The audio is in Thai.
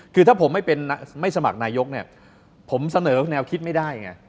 คือถ้าผมไม่สมัครนายกผมเสนอแนวคิดไม่ได้